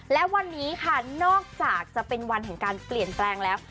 และวันนี้ค่ะนอกจากจะเป็นวันแห่งการเปลี่ยนแปลงแล้ว